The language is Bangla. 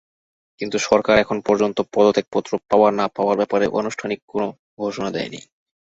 কিন্তু সরকার এখন পর্যন্ত পদত্যাগপত্র পাওয়া না-পাওয়ার ব্যাপারে আনুষ্ঠানিক কোনো ঘোষণা দেয়নি।